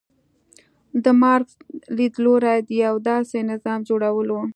د مارکس لیدلوری د یو داسې نظام جوړول و.